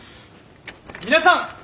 皆さん！